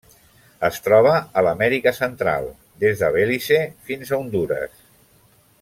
Es troba a l'Amèrica Central: des de Belize fins a Hondures.